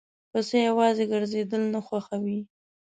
پسه یواځی ګرځېدل نه خوښوي.